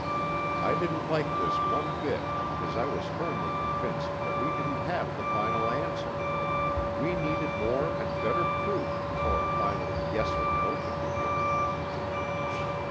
I didn't like this one bit because I was firmly convinced that we didn't have the final answer. We needed more and better proof before a final yes or no could be given.